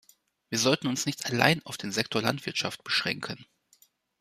Wir sollten uns nicht allein auf den Sektor Landwirtschaft beschränken.